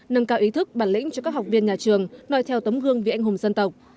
nâng cao ý thức bản lĩnh cho các học viên nhà trường nói theo tấm gương vì anh hùng dân tộc